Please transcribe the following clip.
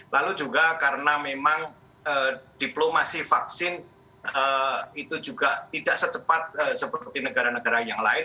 lalu juga karena memang diplomasi vaksin itu juga tidak secepat seperti negara negara yang lain